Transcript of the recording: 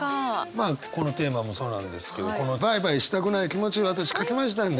まあこのテーマもそうなんですけどこのバイバイしたくない気持ち私書きましたんで。